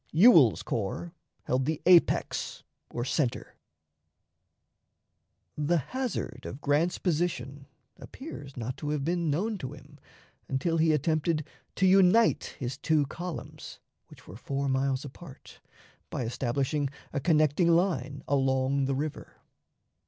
Ewell's corps held the apex or center. The hazard of Grant's position appears not to have been known to him until he attempted to unite his two columns, which were four miles apart, by establishing a connecting line along the river.